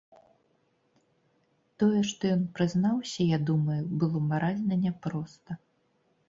Тое, што ён прызнаўся, я думаю, было маральна няпроста.